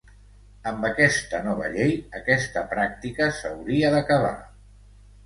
Amb aquesta nova llei, aquesta pràctica s’hauria d’acabar.